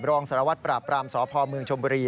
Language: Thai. บรองสารวัตรปราปรามสพมชม